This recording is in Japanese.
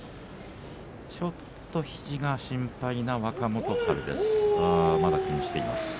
ちょっと肘が心配な若元春です。